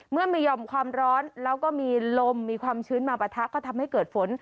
เมื่อมีห่อมความร้อนแล้วก็มีลมมีความชื้นมาปะทะก็ทำให้เกิดฝน